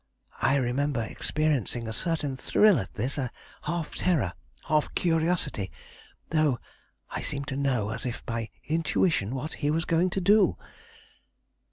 I remember experiencing a certain thrill at this, half terror, half curiosity, though I seemed to know, as if by intuition, what he was going to do.